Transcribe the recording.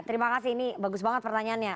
terima kasih ini bagus banget pertanyaannya